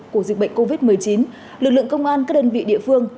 của dịch bệnh covid một mươi chín lực lượng công an các đơn vị địa phương